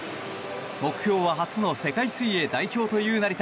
目標は初の世界水泳代表という成田。